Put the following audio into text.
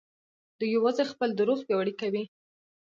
دوی يوازې خپل دروغ پياوړي کوي.